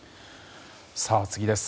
次です。